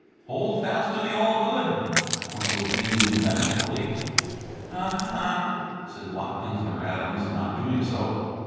"Hold fast to the all good," counselled Bean revengefully. "Uh hah!" said Watkins or Adams, not doing so.